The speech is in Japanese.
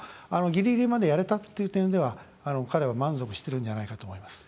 ギリギリまでやれたという点では彼は満足してるんじゃないかと思います。